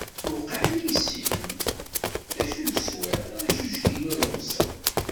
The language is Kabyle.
Tuqeɛ-iyi seg-m! D acu teswiḍ, ala juǧ kilu n lebṣel.